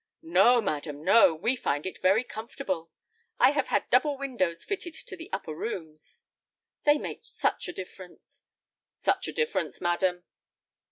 "No, madam, no, we find it very comfortable. I have had double windows fitted to the upper rooms." "They make such a difference." "Such a difference, madam."